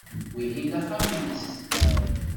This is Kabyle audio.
Wihin d axxam-nnes.